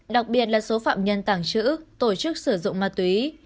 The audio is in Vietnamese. đặc biệt là số phạm nhân tàng trữ tổ chức sử dụng ma túy